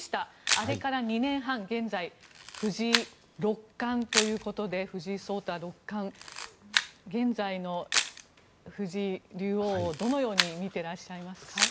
あれから２年半現在、藤井六冠ということで藤井聡太六冠現在の藤井竜王をどのように見ていらっしゃいますか。